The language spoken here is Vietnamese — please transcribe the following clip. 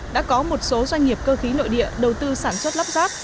đã có một số doanh nghiệp cơ khí nội địa đầu tư sản xuất lắp ráp